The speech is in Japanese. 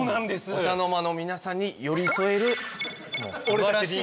お茶の間の皆さんに寄り添える素晴らしい。